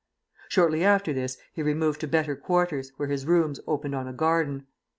Shortly after this he removed to better quarters, where his rooms opened on a garden.